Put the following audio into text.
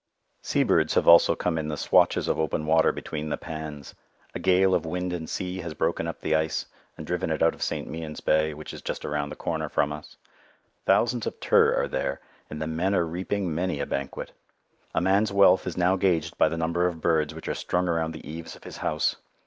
Sea birds have also come in the "swatches" of open water between the pans. A gale of wind and sea has broken up the ice, and driven it out of St. Mien's Bay, which is just round the corner from us. Thousands of "turr" are there, and the men are reaping many a banquet. A man's wealth is now gauged by the number of birds which are strung around the eaves of his house.